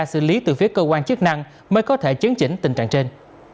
xử lý từ phía cơ quan chức năng mới có thể chấn chỉnh tình trạng trên